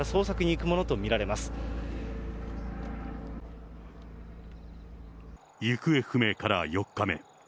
行方不明から４日目。